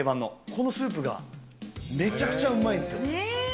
このスープがめちゃくちゃうまいんですよ。